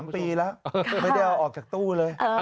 ๓ปีแล้วไม่ได้เอาออกจากตู้เลย